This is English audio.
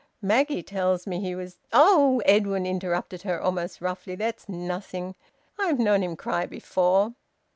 Maggie tells me he was " "Oh!" Edwin interrupted her almost roughly. "That's nothing. I've known him cry before."